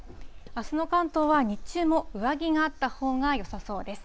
あすの関東は日中も上着があったほうがよさそうです。